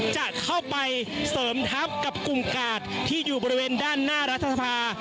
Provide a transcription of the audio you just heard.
จะเข้าไปเสริมทัพกับกลุ่มกาดที่อยู่บริเวณด้านหน้ารัฐสภา